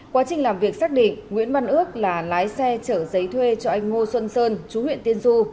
quá trình làm việc xác định nguyễn văn ước là lái xe chở giấy thuê cho anh ngô xuân sơn chú huyện tiên du